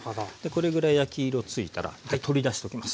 これぐらい焼き色ついたら一回取り出しておきます。